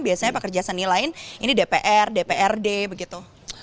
biasanya pekerja seni lain ini dpr dprd begitu